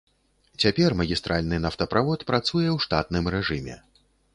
Цяпер магістральны нафтаправод працуе ў штатным рэжыме.